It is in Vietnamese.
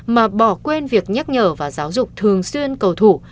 mà bỏ quên việc nhắc nhở và giáo dục thường xuyên cầu thủ